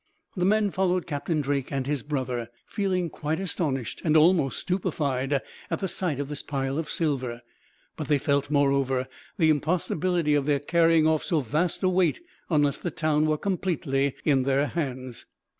The men followed Captain Drake and his brother, feeling quite astonished, and almost stupefied at the sight of this pile of silver; but they felt, moreover, the impossibility of their carrying off so vast a weight, unless the town were completely in their hands.